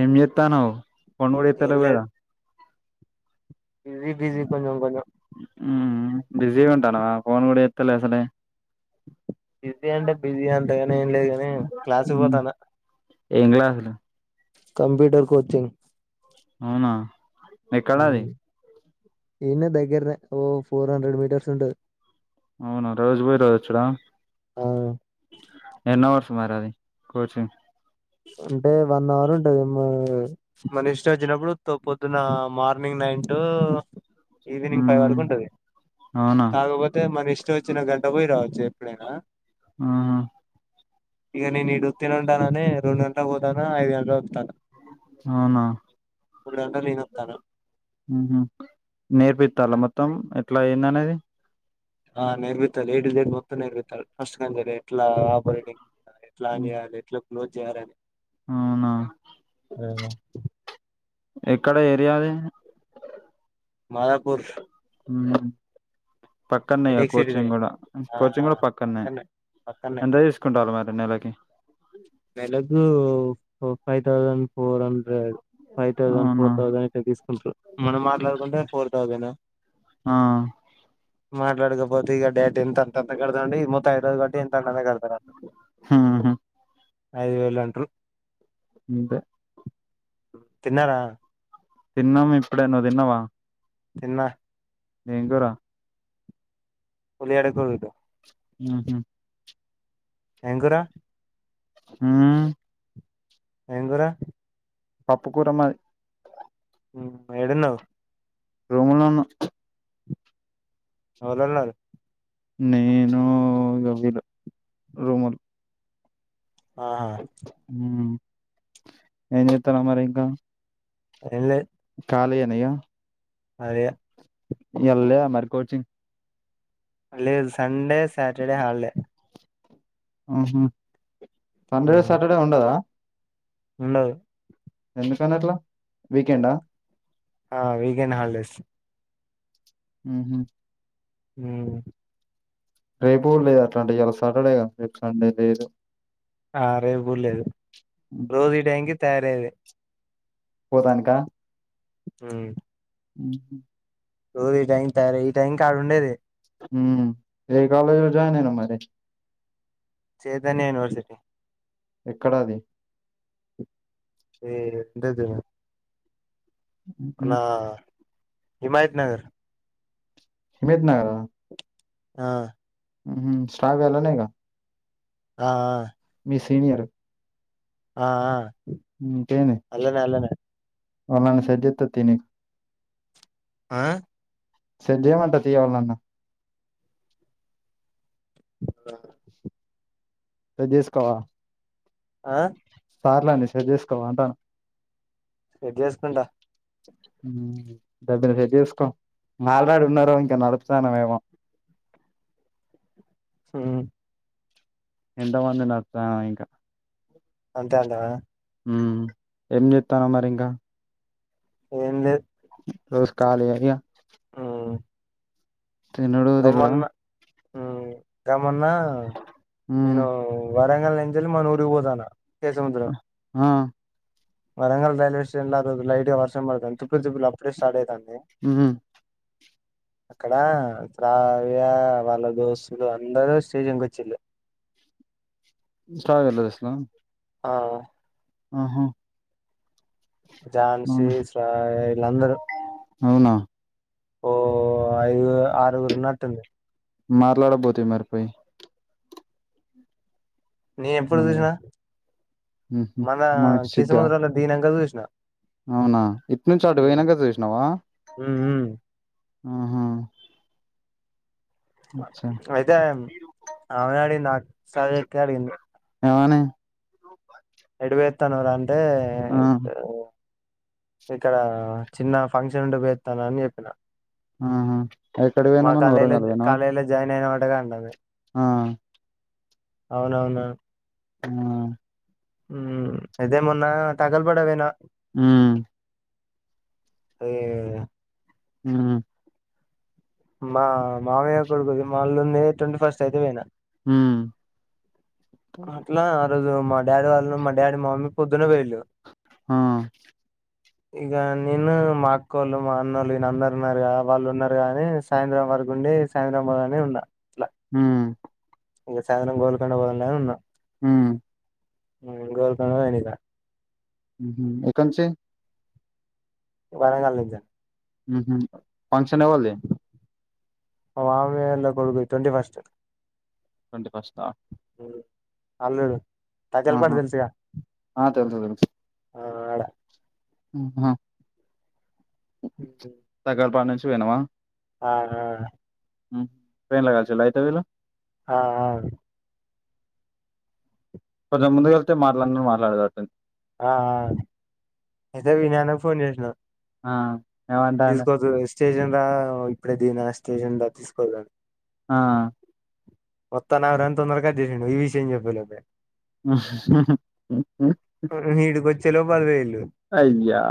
ఏం జేత్తాన్నావ్ ఫోను కూడా ఏం ఎత్తలేవు గధ లేదు బిజీ బిజీ కొంచెం కొంచెం మ్ బిజీ ఉంటాన్నావా ఫోన్ కూడా ఏ త్తలే అసలేే బిజీ అంటే బిజీ అంతే ని ఏం లేదు ని క్లాసుకి పోతాన్న ఎంగ్లాస్ లో కంప్యూటర్ కోచింగ్ అవునా ఎక్కడ అది? ఇన్నే దగ్గర దే ఓ ఫోర్ హండ్రెడ్డ్ మీటర్స్ ఉంటది. అవునా రోజు పోయి రోజొచ్చడా ఆవును ఎన్ని హవర్స్ సుమారు అది కోచింగ్ అంటే వన్ అవర్ ఉంటదేమో మన ఇష్టం వచ్చినప్పుడు వత్తావ్ పొద్దున morning nine to evening five మ్మ్ వరకు ఉంటది. అవునా కాకపోతే మనఇష్ చో వచ్చిన గంట పోయి రావచ్చు ఎప్పుడైనా ఆహ ఇగ నేను ఈడ ఉత్తిన ఉంటాననే రెండు గంటలకి పోతానా ఐదు గంటలోప్తా అవునా గంటలు నేను వస్తాను ఉహు నేర్పిత్తాల మ మొత్తం ఎట్లా అయింది అనేది ఆ నెర్వతా ఏడ్డు దేడ్ మొత్తం నెర్వితాల్ ఫస్ట్ కన్వి దే ఎట్లా ఆపరేటింగ్ ఎట్లా ఆన్ చేయాలి ఎట్లా క్లోజ్ చేయాలని అవునా రేవో ఎక్కడ ఏరియాలి మదాపూర్ మ్ పక్కన్నే హెడేక్ సిటీదే కోచింగ్ కూడా ఉ ఆ ఆ కోచింగ్ కూడా పక్కన్నే పక్కనే పక్కనే ఎంతా తీస్కుంటారు మరి నెలకి నెలకూ five thousand four hundred five thousand అవునా ఫోర్ థౌజండ్ ఇట్లా తీస్కుంట్రు మనం మాట్లాడుకుంటే ఫోర్ థౌసండ్ ఆహ్ మాట్లాడకపోతే ఇగ డేట్ ఎంత అండి ముత్తైతగట్టి ఎంత అంటనే కడతారల్లు మ్మ్ హు ఐదు వేలంట్రు ఇంతే తిన్నరా తిన్నం ఇప్పుడే నువ్వు తిన్నవా తిన్న ఏం గురా ఉల్లిగడ్డకురుట ఆహ ఏం గురా ఆహ్ ఎంగురా పప్పుకూర మ ఎడున్నావ్ రూములోనున్నా ఓలోలున్నారు నేను ఇగో గీల్లు రూమోలు ఆహా ఎంజేతన మరింకా ఏం లే కాలి గనియ అదే ఇయళ లేద మరి కోచింగ్ లేదు సండే సాటర్డే హల్డే ఆహ సండే సాటర్డే ఉండదా ఉండదు ఎందుకన్నట్లా వీకెండా ఆహత వకేండాలిడేస్ ఆహు హూ రేపు లేదు అట్లాంటే ఇయలా సాటర్డేక రేపు సండే లేదు ఆ రేపుగు లేదు రోజుడి టైంకి తయారయది పోతానికా ఉహ్ హుహ్ రోజు ఈ టైం తయారి ఈ టైం కాడుండేది ఆహ్ ఏ కలేజ్ల జయినైనవు మరి చైతన్య యూనివర్సిటీ ఎక్కడది ఏ ఎండది ఉహు నా హిమయత్ నగర్ హిమయత్ నగరా ఆ మ్ శ్రావ్య అల్లనేగా ఆ అ సీనియరు ఆ ఆ ఇంకేంది అల్లనే అల్లనే వాళ్ళని సెట్ జేత్త తియ్ నిక్ ఆ సెట్ జేయమంట తియ్ ఎవల్నన్న సెట్ జేసుకోవా ఆ సార్లని సెట్ చేసుకోవా అంటాన సెట్ జేసుకుంటా దబ్బిన సెట్ జేసుకో మాట్లాడు ఉన్నరో ఇంక నడుప్తానవేమో హ్మ్ ఎంత మందిని నడుప్తానావో ఇంక అంతే అంటవా మ్ ఏం చెత్తానవ్ మరి ఇంకా ఏం లేదు ఈరోజ్ ఖాళీ ఎగా తినుడు తిరుగుడా మ్ కా మొన్నా ఉమ్ నేను వరంగల్ నుంచేళ్ళి మన ఊరికి పోతానా అ ఆ వరంగల్ రైల్వేటేషన్ ల ఆరోజు లైట్ గా వర్షం పడ్తాంది తుప్పులు తుప్పులు అప్పుడే స్టార్ట్ అయితాంది ఉమ్ అక్కడా శ్రావ్యా వాళ్ళ దోస్తులు అందరు స్టేషన్ కొచ్చిళ్ళు [unintelligible] ఆ అ ఆహ ఝాన్సీ శ్రావ్య వీళ్లందరు అవునా ఓ ఐదుగురు ఆరుగురు ఉన్నటుంది మాట్లాడబోతివ్ మరి పొయి నేను ఎప్పుడు మనకి చూసినా ఉహు మనా మనకి సిగ్గా కేసముద్రంలో దిగినంక చూసిన అవునా ఇట్నుంచి అటు వొయినంక చూసినవా ఉ ఆహా అచ్చా అయితే ఆమెనె అడిగింది ఆ అక్ సౌజక్కే అడిగింది ఎమని ఎడు వొయొత్తానవ్ రా అంటే ఇక్కడా చిన్న ఫంక్షన్ ఉంటె వొయొత్తాన అని చెప్పిన ఆహా ఎక్కడికి మా పోయినావ్ నువ్వు కలేజిలో వరంగల్ పోయినావా కాలేజిలో జాయిన్ అయినవటగా అంటాంది ఆ అవునవున ఆ హ్మ్ అయితే మొన్న తగల్బడవేన హ్మ్ అయ్యా హ్మ్ మా మామయ్య కొడుకు మాళ ఉంది ట్వంటీ ఫస్ట్ అయితే పోయిన హ్మ్ అట్లా ఆ రోజు మా డాడీ వాళ్ళు మా డాడీ మమ్మీ పొద్దున్నే పోయిళ్ళు ఆ ఇగ నేను మా అక్కోళ్ళు మా అన్నళ్ళు విల్ అందరు ఉన్నరు గా వాళ్ళు ఉన్నారు గా ఆని సాయంత్రం వరకు ఉండి సాయంత్ర్రాంబాద్ అని ఉన్న హ్మ్ ఇంగ సాయంత్రం గోల్కండ పోవాల్ ఆన్ ఉన్న హ్మ్ హ్మ్ గోల్కొండ పొదిగ ఊహు ఎకంచే వరంగాల్ ఇద ఊహు ఫంక్షన్ ఏవలది మా బాబాయ్ వాల్ల కొడుకు ది ట్వంటీ ఫస్ట్ ట్వంటీ ఫస్టా అల్లుడు ఆహా తగల్బడి తెలుసుగా ఆ తెల్సు తెల్సు ఆ ఆడ హ్మ్ హా తక్కాలబా నుంచి పోయినవా ఆ ఆ హ్మ్ ట్రైన్ ల కల్చిన్ల అయితే వీళ్ళు ఆ అవును కొంచెం ముందు వెళ్తే మాట్లాడ్నూ [unintelligible] ఆ ఆ అయితే వినయ్ అన్న కి ఫోన్ చేసిన ఆ ఏమంటాండు తీసుకోదు స్టేషన్ రా ఇప్పుడే దిన స్టేషన్ ద తీసుకోదండి ఆ వత్తన్నారంటున్నా గద ఈ విషయం చెప్పలేక పోయ ఆ తేలో పదవేన్ అయ్యా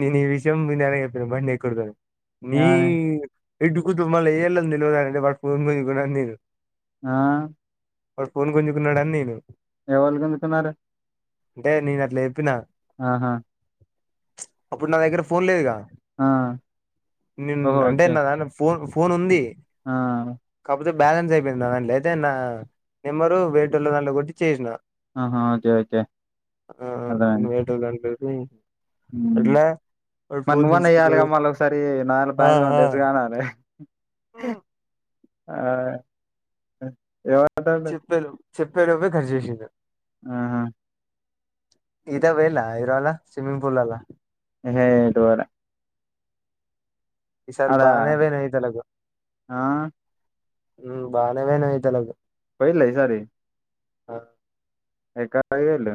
నేను ఈ విషయం వినయ్ అన్న కి చెప్పిన బాండ్ ఎక్కుడుగనే నీ ఏమని ఇటుక దుమ లెయిల్ అన్ తేల్వధ అంతే వాడి ఫోన్ పోయింది అని కూడ తే ఆ వాడు ఫోన్ కొంచెుకున్నాడాని నేను ఎవళు గుంచుకున్నారు అంటే నేను అట్ల చెప్పిన ఆహా ప్చ్ అప్పుడు నా దగ్గర ఫోన్ లేదుగ ఆ నేను ఓహో అంటే ఓకే నా దన్న ఫోన్ ఫోన్ ఉంది ఆ అయితే బ్యాలెన్స్ అయిపోయింది అండి అయితే నా నెంబరు వేటోలో దాంట్లో కొట్టి చేసినా ఆహా! ఓకే. ఓకే. ఆ ఆ అర్థమైంది. వేటు దంసి హ్మ్. ఇట్ల మరి నువ్వని వెయ్యాలిగా మళ్ళ ఒకసారి నదాంట్లో ఆ బ్యాలెన్స్ లో ఆ తెలుసు కానాలి ఆ ఎవరిత చెప్పేలోపు చెప్పేలోపే ఖర్చు చేసిండు ఆహా ఈతకు పోయిల్లా ఇరోల స్విమ్మింగ్ పూల్ అలా హే దోర ఈ సార్ బానేవోయినాయి తెలగు ఆ! ఉ బానేవే నతేలకు పోయిల్ల ఈసారి ఆ ఎక్కా పోయిండు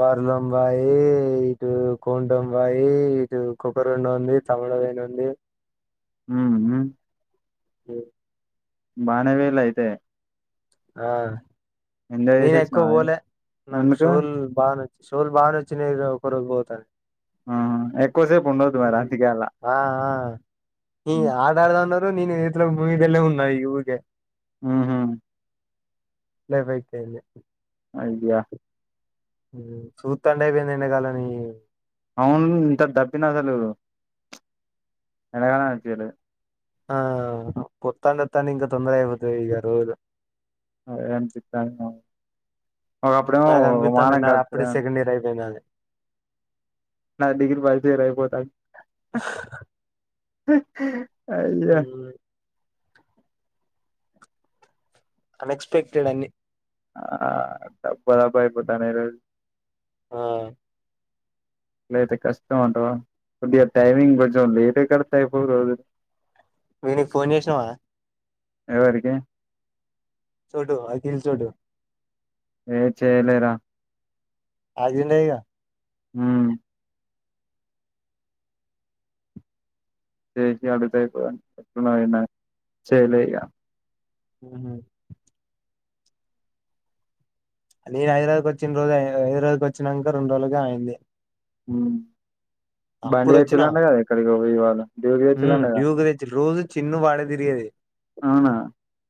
బరదంబాయి ఇటు కోండంబాయి ఇటు కొబ్బరి బొండం ఉంది తమ ఎదైనుంది ఉహు అ బానేవేల అయితే ఆ ఎంజాయ్ నేన ఎక్కువ చేసొచ్చినావా? పోలే నాకు ఎందుకు? షూల్ బాగా నచ్ షోలు బాగా నచ్చినయి ఒకరు పోతాను ఆహా! ఎక్కువసేపు ఉండొద్దు ఉ మరి అందుకే అలా. ఆ ఆ ఉ హ్మ్. ఆట ఆడదాం అన్నారు నేనే ఎట్లో ఉన్నాయి ఊరికే ఆహా లే భయితే ఐడియా సూతండే అయిపోయింది ఎండగాలని అవును ఇంత దబ్బిన అసలు ఎనగానే అనిపియలే ఆ పొత్తాం వత్తాండి ఇంకా తొందర అయిపోతుంది ఇక రోజు అదే అనిపిత్తాండు అప్పుడేమో నాకు అనిపిత్తాంది మనం నాది అప్పుడే కాతరా సెకండ్ ఇయర్ అయిపోయిందని నాది డిగ్రీ ఫస్ట్ ఇయర్ అయిపోతాను అయ్యో అన్ ఎక్స్పెక్టెడ్ అన్ని ఆ డబ్బ దబ్బా అయిపోతాన్నై ఈరోజ్ ఆ అట్లయితే కష్టం అంటవా కొద్దిగా టైమింగ్ కొంచెం లేట్ కడతా అయిపోదు వీనికి ఫోన్ చేసినావా ఎవరికి చోటో అఖల్ చోటూ ఏ చేయలేరా అదిలే ఇగ హూ చేసి అడుగుతేయిపో చెయలే ఇగ [unintelligible] నేను హైదరాబాద్కి వచ్చిన రోజు హైదరాబాద్కి వచ్చాక రెం రోజులుగా అయయింది మ్ బాండి వచ్చిన వచ్చిలాండ కద ఇక్కడకి వాళ దవ వచ్చలాండగా డ్యూకు తెచ్చి రోజు చిన్ను వాడే అవునా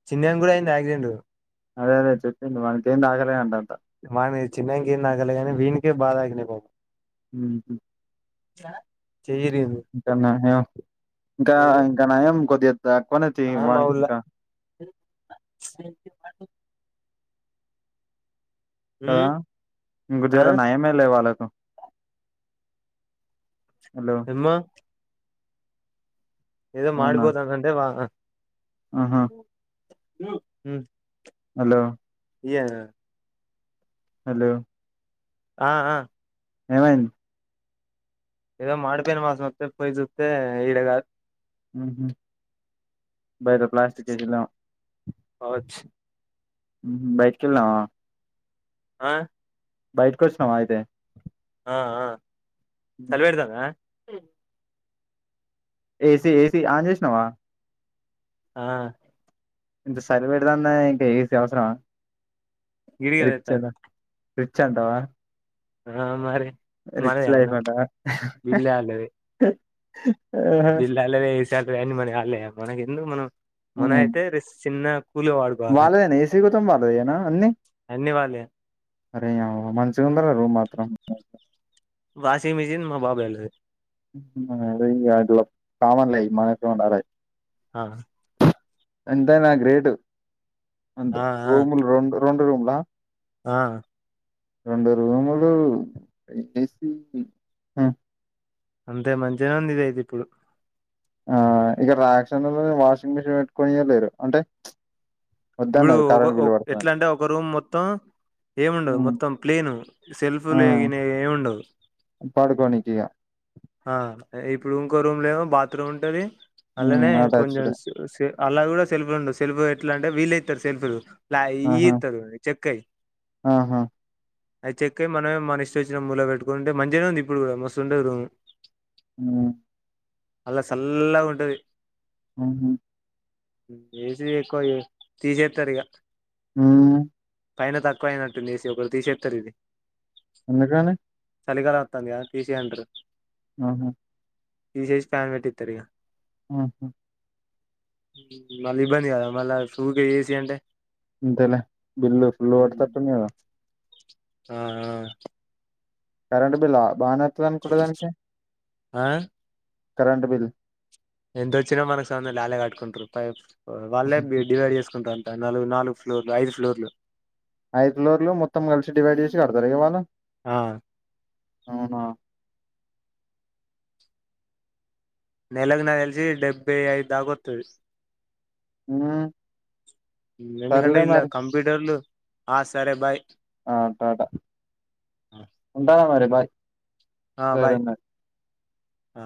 చిన్నయిను కూడా అయింది ఆయాక్సిడెంట్ అదే అదే చు [unintelligible] మన చిన్నకి ఏం నాగలిగానీ వీనికే బాధ ఆగినపోము [unintelligible] [unintelligible] ఇంకాన్నా ఇంకా ఇంకా నయం కొద్ది ఆమవుల ఉమ్ ఆ [unintelligible] నయమే లే వాళ్ళకు హలో [unintelligible] ఏదో అవునా [unintelligible] అంటే వా ఆహా ఉమ్ హలో [unintelligible] హలో ఆ ఆ ఏమైంది ఏదో మాడిపోయిన వాసన వస్తే పోయి సుతే ఈడ కాదు బయద ప్లాస్టిక్ కేజీలా వచ్చ బయటకి వెళ్ళదామా ఆ బయటక వసినవా అయితే ఆ అ సలిపేడతనదా ఏస ఏసి ఆన్ చేసినవా ఆ ఇంత సలిపెడదా ఏ ఏసి అవసరమా గిరిగల రిచ్ తేతన్ రిచ్ అంటవా ఆ మరి మరిన్న అంటావా బిళ్ల్ళాలది ఆహా బిల్ అలదే ఈస అన్ని మన అళ్లే మనకి ఎందు మనం మన అయితే ర చిన్న కూల్ గా వాడుకోవాలి వళ్లదేనా ఏసీ కోతం బాలేదునా అన్ని అన్ని వాళ్ళే అరే మంచిగా ఉందరా రూమ్ మాత్రం వాషింగ్ మిషిన్ మా బాబాయి ఒలది అట్లా కామన్లే మనంటారా ఆ ఎంతా అయినా గ్రేట్ అంత ఆ ఆ రూమ్ రం రెండు రూమ్లా ఆ రెండు రూములు ఏసి అంతే మంచిగానే ఉంది ఇది అయితే ఇప్పుడు ఆ ఇగ రాక్షన్లల్లనే వాషింగ్ మిషిన్ పెట్టుకొనియ లేరు అంటే ఇప్పుడు వద్దన్నారు ఒక కరెంట్ బిల్ ఒక్ పడుతుందని ఎట్లంటె ఒక రూమ్ మొత్తం ఏముండదు హ్మ్ మొత్తం క్లీను సెల్ఫ్లు ఏగిన ఏముండవ్ పడుకోని ఆ ఇప్పుడు ఇంకో రూమ్లేమో బాత్రూమ్ ఉంటది అల్లనే హ్మ్ కొంచెం అటాచ్డ్ సె సె అల్ల గూడ సెల్ఫులు ఉండవు సెల్ఫ్ ఎట్ల అంటే వీళ్ళే ఇత్తరు సెల్ఫ్లు లా ఈ ఆహా ఇత్తడు చెక్కయి ఆహా అయి చెక్కయి మనమే మన ఇష్ట ఒచ్చిన మూల పెట్టుకునుంటే మంచినే ఉంది ఇప్పుడు గూడ మస్తుంటది రూము ఆ అల్ల సల్లగుంటది ఆ ఎసి ఎక్కువ తీషేత్తరు ఇగ మ్ పైన తక్కువ అయినట్టుంది ఏసి ఒకటి తీషేత్తరు ఇది ఎందుకని చలి కాలం ఒత్తాందిగా తీషేయంటరు ఆహా తీషేశి ఫ్యాన్ పెట్టిత్తరు ఇగా ఆహ మళ్ళీ ఇబ్బంది గదా మళ్ళా ఊకె ఏసి అంటే అంతలే బిల్ ఫుల్ పడ్తతుందిగా ఆ ఆ కరెంట్ బిల్లా బానే వత్తది అనుకుంట దానికి ఆ కరెంట్ బిల్ ఎంతొచ్చినా మనకు సంబంధం లే అళ్లే కట్టుకుంటరు పైప్ అ వాళ్ళే బి డివైడ్ చేసుకుంటరు అంతె నాలుగు నాలుగు ఫ్లోర్లు ఐదు ఫ్లోర్లు ఐదుఫోర్లు మొత్తం కలిసి డివైడ్ చేసి కడతరా ఇగ వాళ్ళు ఆ అవునా నెలగ్ నా తెల్షి డెబ్బై ఐదు దాకొత్తది హ్మ్ ఎందుకంటే సర్లే ఇల్ల మరి కంప్యూటర్లు ఆ సరే బాయ్ ఆ అట్టటా ఉంటానా మరి బాయ్ ఆ సరే బాయ్ మరి ఆ